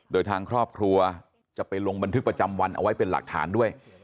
โดยทางครอบครัวจะไปลงบันทึกประจำวันเอาไว้เป็นหลักฐานด้วย